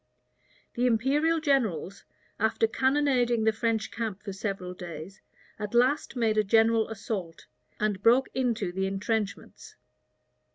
The imperial generals, after cannonading the French camp for several days, at last made a general assault, and broke into the intrenchments.